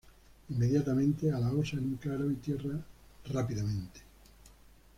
Inmediatamente a la osa en un claro y tierra rápidamente.